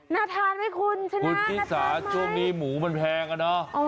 น่าทานไหมคุณชนะคุณชิสาช่วงนี้หมูมันแพงอ่ะเนอะ